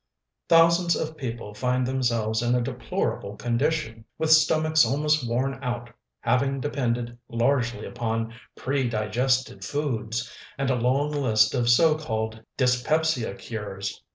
Thousands of people find themselves in a deplorable condition, with stomachs almost worn out, having depended largely upon predigested foods and a long list of so called "dyspepsia cures."